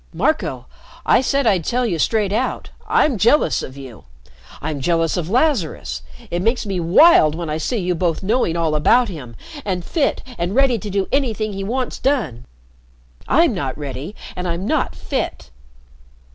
Marco I said I'd tell you straight out I'm jealous of you. I'm jealous of Lazarus. It makes me wild when I see you both knowing all about him, and fit and ready to do anything he wants done. I'm not ready and I'm not fit."